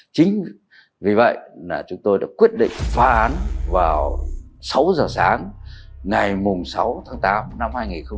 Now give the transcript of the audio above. chính vì vậy là chúng tôi đã quyết định phá án vào sáu giờ sáng ngày sáu tháng tám năm hai nghìn hai mươi